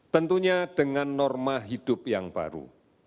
tentunya dengan norma hidup yang baru